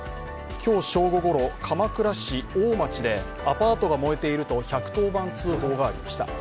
今日、正午頃鎌倉市大町でアパートが燃えていると１１０番通報がありました。